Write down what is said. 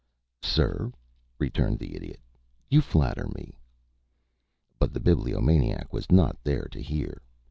"Sir!" returned the Idiot, "you flatter me." But the Bibliomaniac was not there to hear.